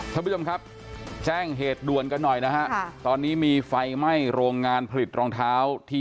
ท่านผู้ชมครับแจ้งเหตุด่วนกันหน่อยนะฮะตอนนี้มีไฟไหม้โรงงานผลิตรองเท้าที่